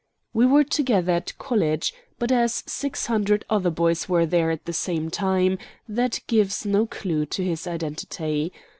We were together at college; but, as six hundred other boys were there at the same time, that gives no clew to his identity.